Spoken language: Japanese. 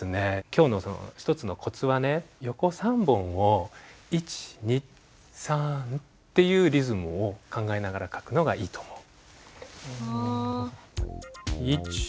今日の一つのコツは横３本を１２３っていうリズムを考えながら書くのがいいと思う。